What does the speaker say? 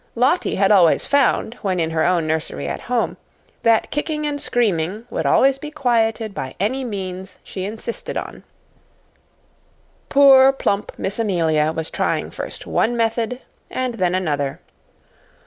Lottie had always found, when in her own nursery at home, that kicking and screaming would always be quieted by any means she insisted on. Poor plump Miss Amelia was trying first one method, and then another.